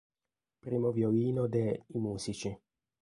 Primo violino de "I Musici".